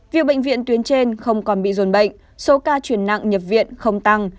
việc bệnh viện tuyến trên không còn bị dồn bệnh số ca chuyển nặng nhập viện không tăng